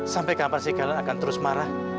sampai kapan sih kalian akan terus marah